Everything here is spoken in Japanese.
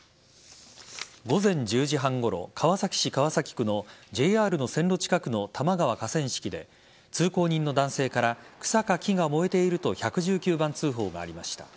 午前１０時半ごろ川崎市川崎区のＪＲの線路近くの多摩川河川敷で通行人の男性から草か木が燃えていると１１９番通報がありました。